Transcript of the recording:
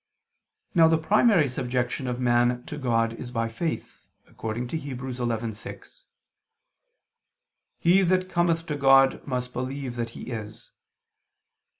Now the primary subjection of man to God is by faith, according to Heb. 11:6: "He that cometh to God, must believe that He is."